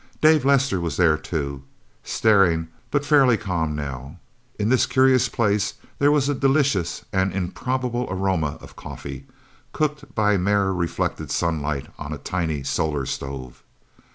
Dave Lester was there, too staring, but fairly calm, now. In this curious place, there was a delicious and improbable aroma of coffee cooked by mirror reflected sunlight on a tiny solar stove.